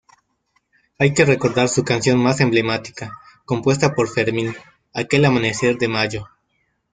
Hay que recordar su canción más emblemática, compuesta por Fermín, "Aquel amanecer de Mayo".